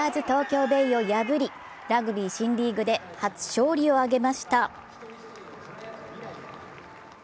東京ベイを破りラグビー新リーグで初勝利をあげました。